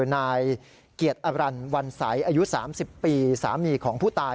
นายเกียรติอรันวันใสอายุ๓๐ปีสามีของผู้ตาย